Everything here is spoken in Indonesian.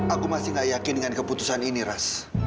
aku masih gak yakin dengan keputusan ini ras